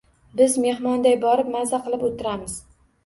Biz mehmonday borib, maza qilib o`tiramiz